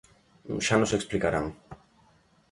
Xa nos explicarán.